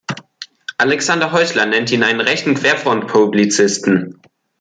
Alexander Häusler nennt ihn einen „rechten Querfront-Publizisten“.